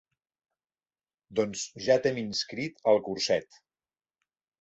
Doncs ja t'hem inscrit al curset.